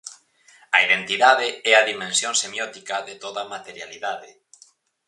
A identidade é a dimensión semiótica de toda materialidade.